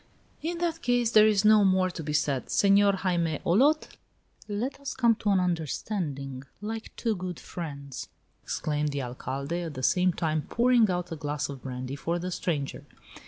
"In that case there is no more to be said. Senor Jaime Olot, let us come to an understanding, like two good friends," exclaimed the Alcalde, at the same time pouring out a glass of brandy for the stranger.